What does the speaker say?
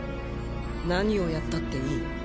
何をやったっていい。